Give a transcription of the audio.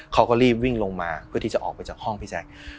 เขาก็รีบวิ่งลงมาเพื่อที่จะออกไปจากห้องพี่แจ๊ค